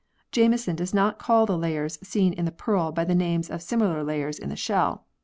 Jameson does not call the layers seen in the pearl by the names of similar layers in the shell.